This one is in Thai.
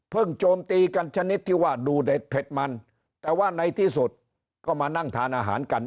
โจมตีกันชนิดที่ว่าดูเด็ดเผ็ดมันแต่ว่าในที่สุดก็มานั่งทานอาหารกัน